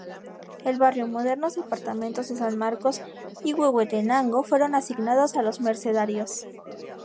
El Barrio —modernos departamentos de San Marcos y Huehuetenango— fueron asignados a los Mercedarios.